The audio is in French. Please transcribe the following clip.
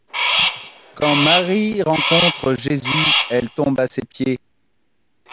Quand Marie rencontre Jésus, elle tombe à ses pieds.